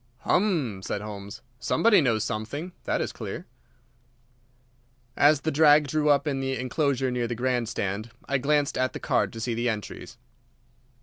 "Hum!" said Holmes. "Somebody knows something, that is clear." As the drag drew up in the enclosure near the grand stand I glanced at the card to see the entries.